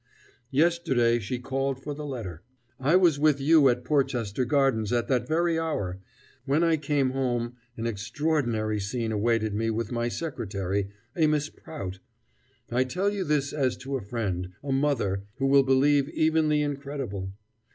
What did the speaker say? Yesterday she called for the letter. I was with you at Porchester Gardens at that very hour. When I came home, an extraordinary scene awaited me with my secretary, a Miss Prout.... I tell you this as to a friend, a Mother, who will believe even the incredible.